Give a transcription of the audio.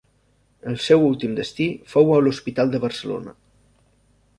El seu últim destí fou a l'hospital de Barcelona.